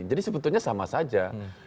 jadi sebetulnya sama saja